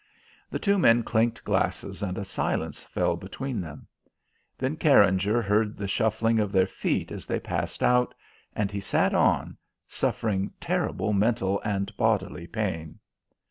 The two men clinked glasses and a silence fell between them. Then Carringer heard the shuffling of their feet as they passed out, and he sat on, suffering terrible mental and bodily pain.